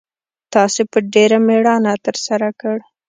تاسو په ډېره میړانه ترسره کړ